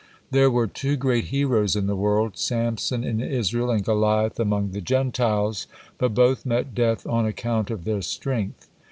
There were two great heroes in the world, Samson in Israel, and Goliath among the Gentiles, but both met death on account of their strength.